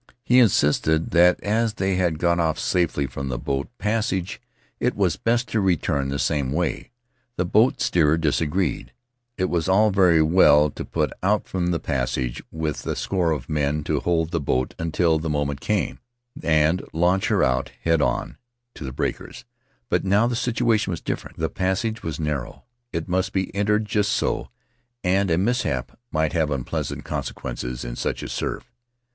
He insisted that as they had got off safely from the boat passage it was best to return the same way. The boat steerer disagreed; it was all very well to put out from the passage, with a score of men to hold the boat until the moment came, and launch her out head on to the breakers, but now the situation was different; the passage was narrow; it must be entered A Memory of Mauke just so, and a mishap might have unpleasant conse quences in such a surf.